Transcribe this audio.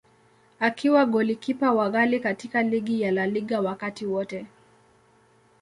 Akiwa golikipa wa ghali katika ligi ya La Liga wakati wote.